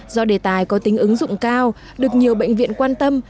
do đề tài có tính ứng dụng cao được nhiều bệnh viện quan tâm